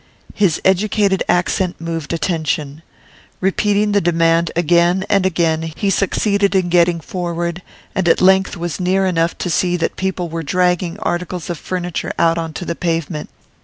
His educated accent moved attention. Repeating the demand again and again he succeeded in getting forward, and at length was near enough to see that people were dragging articles of furniture out on to the pavement.